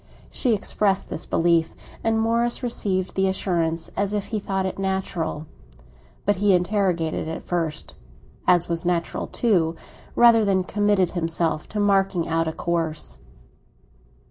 She expressed this belief, and Morris received the assurance as if he thought it natural; but he interrogated, at first—as was natural too—rather than committed himself to marking out a course.